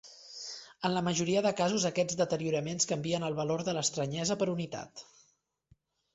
En la majoria dels casos aquests deterioraments canvien el valor de l'estranyesa per unitat.